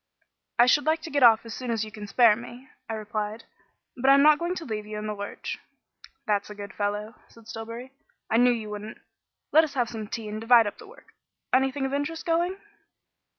"I should like to get off as soon as you can spare me," I replied, "but I'm not going to leave you in the lurch." "That's a good fellow," said Stillbury. "I knew you wouldn't. Let us have some tea and divide up the work. Anything of interest going?"